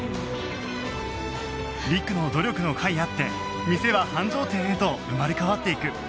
りくの努力の甲斐あって店は繁盛店へと生まれ変わっていく